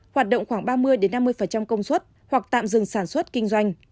hoạt động khoảng ba mươi năm mươi công suất hoặc tạm dừng sản xuất kinh doanh